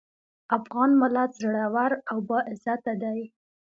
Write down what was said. افغان ملت زړور او باعزته دی.